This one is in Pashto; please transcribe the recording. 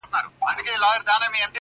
o اصيل ته اشارت، کم اصل ته لغت.